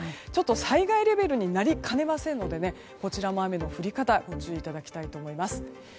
災害レベルになりかねませんのでこちらも雨の降り方ご注意いただきたいと思います。